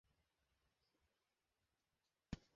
সবুজ রঙ সম্ভবত মেয়েটির প্রিয় রঙ।